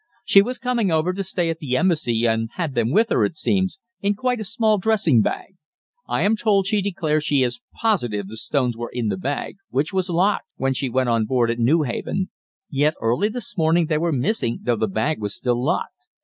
She was coming over to stay at the Embassy, and had them with her, it seems, in quite a small dressing bag. I am told she declares she is positive the stones were in the bag, which was locked, when she went on board at Newhaven; yet early this morning they were missing, though the bag was still locked.